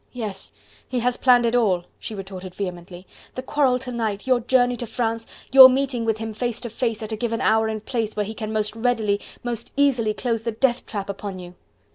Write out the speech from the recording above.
"Yes! he has planned it all," she retorted vehemently. "The quarrel to night, your journey to France, your meeting with him face to face at a given hour and place where he can most readily, most easily close the death trap upon you."